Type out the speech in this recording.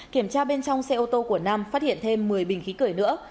kiểm tra bên trong xe ô tô của nam phát hiện thêm một mươi bình khí cười nữa